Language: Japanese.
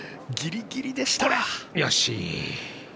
よし！